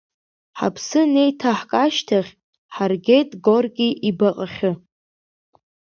Ҳаԥсы анеиҭаҳк ашьҭахь, ҳаргеит Горки ибаҟахьы.